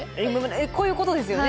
こういうことですよね。